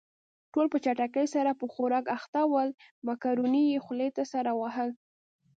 ټول په چټکۍ سره په خوراک اخته ول، مکروني يې خولې ته سر وهل.